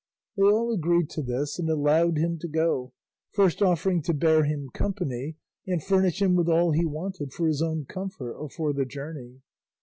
They all agreed to this, and allowed him to go, first offering to bear him company and furnish him with all he wanted for his own comfort or for the journey.